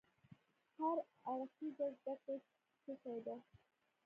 هر اړخيزه زده کړه څه شی ده؟